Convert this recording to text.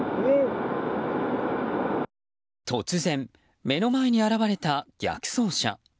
突然、目の前に現れた逆走車。